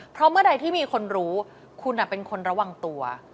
เพราะเมื่อใดที่มีคนรู้คุณเป็นคนระวังตัว